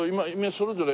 それぞれ。